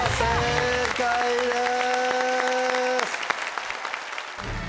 正解です。